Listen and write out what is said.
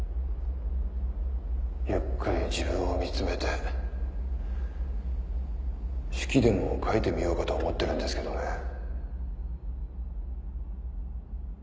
ゆっくり自分を見つめて手記でも書いてみようかと思ってるんですけどね。